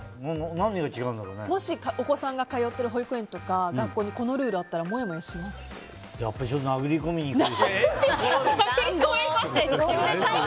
もしお子さんが通ってる保育園や学校にこのルールあったら殴り込みに行く。